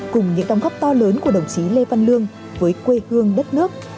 cùng những đồng góp to lớn của đồng chí lê văn lương với quê hương đất nước